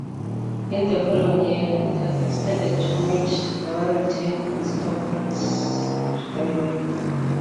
In the following year it was extended to meet the Warrington and Stockport Railway.